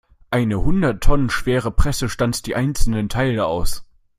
Eine hundert Tonnen schwere Presse stanzt die einzelnen Teile aus.